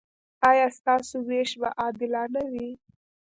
ایا ستاسو ویش به عادلانه وي؟